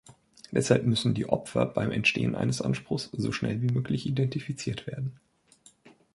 Deshalb müssen die Opfer beim Entstehen eines Anspruchs so schnell wie möglich identifiziert werden.